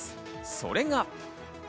それが。